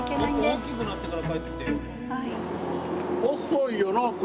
もっと大きくなってから帰ってきて。